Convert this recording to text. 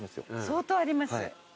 相当あります？